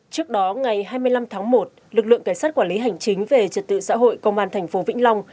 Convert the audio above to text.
trước đó ngày hai mươi năm tháng một lực lượng cảnh sát quản lý hành chính về trật tự xã hội công an thành phố vĩnh long